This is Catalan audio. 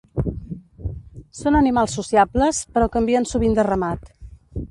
Són animals sociables, però canvien sovint de ramat.